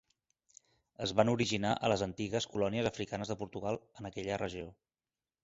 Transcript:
Es van originar a les antigues colònies africanes de Portugal en aquella regió.